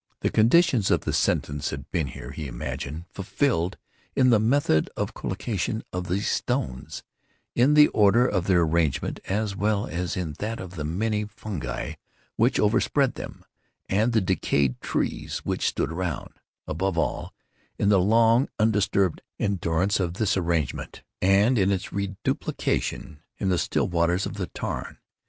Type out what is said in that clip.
The conditions of the sentience had been here, he imagined, fulfilled in the method of collocation of these stones—in the order of their arrangement, as well as in that of the many fungi which overspread them, and of the decayed trees which stood around—above all, in the long undisturbed endurance of this arrangement, and in its reduplication in the still waters of the tarn.